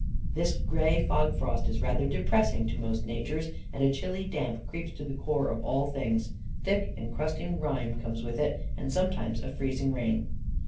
This grey fog frost is rather depressing to most natures, and a chilly damp creeps to the core of all things. Thick encrusting rime comes with it, and sometimes a freezing rain.